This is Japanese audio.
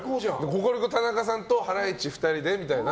ココリコ田中さんとハライチ２人でみたいな。